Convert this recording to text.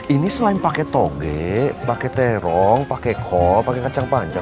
ini selain pakai toge pakai terong pakai kol pakai kacang panjang